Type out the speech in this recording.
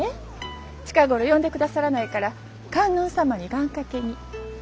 近頃呼んでくださらないから観音様に願掛けに。